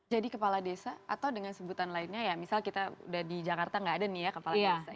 jadi kepala desa atau dengan sebutan lainnya ya misalnya kita udah di jakarta gak ada nih ya kepala desa